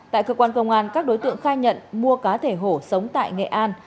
tại cơ quan công an các đối tượng khai nhận mua cá thể hổ sống tại nghệ an